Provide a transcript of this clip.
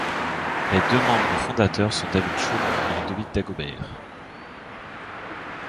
Les deux membres fondateurs sont David Chaumont et Ludovic Dagobert.